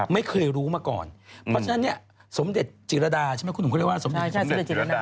ไม่เคยรู้มาก่อนเพราะฉะนั้นเนี่ยสมเด็จจิรดาใช่ไหมคุณหนุ่มเขาเรียกว่าสมเด็จพระ